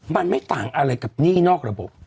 มันไม่ต่างอะไรกับหนี้นอกระบบ